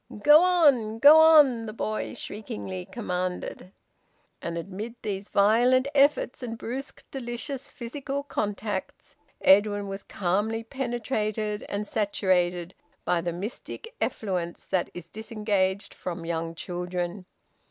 "Go on! Go on!" The boy shriekingly commanded. And amid these violent efforts and brusque delicious physical contacts, Edwin was calmly penetrated and saturated by the mystic effluence that is disengaged from young children.